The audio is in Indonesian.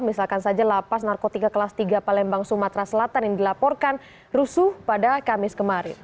misalkan saja lapas narkotika kelas tiga palembang sumatera selatan yang dilaporkan rusuh pada kamis kemarin